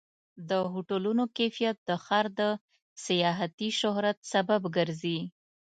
د هوټلونو کیفیت د ښار د سیاحتي شهرت سبب ګرځي.